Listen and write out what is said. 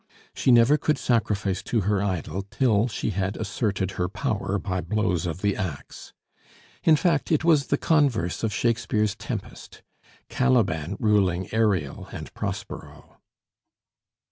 She never could sacrifice to her idol till she had asserted her power by blows of the axe. In fact, it was the converse of Shakespeare's Tempest Caliban ruling Ariel and Prospero.